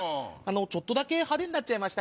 ちょっと派手になっちゃいました。